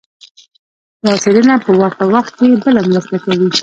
دا څېړنه په ورته وخت کې بله مرسته کوي.